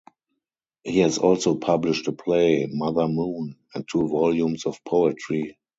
He has also published a play, "Mother Moon", and two volumes of poetry.